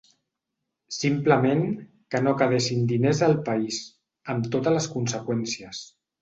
Simplement, que no quedessin diners al país, amb totes les conseqüències.